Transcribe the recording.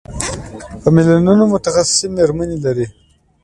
په میلیونونو متخصصې مېرمنې لري.